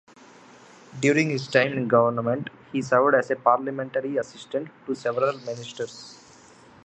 During his time in government he served as Parliamentary Assistant to several ministers.